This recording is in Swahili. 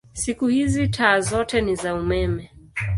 Siku hizi taa zote ni za umeme.